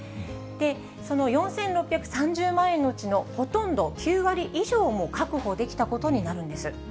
その４６３０万円のうちのほとんど９割以上も、確保できたことになるんです。